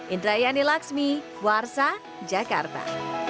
indrayani laxmi kewarsa jakarta